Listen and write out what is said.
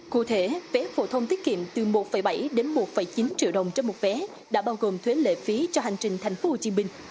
cụ thể vé phổ thông tiết kiệm từ một bảy đến một chín triệu đồng trên một vé đã bao gồm thuế lệ phí cho hành trình thành phố hồ chí minh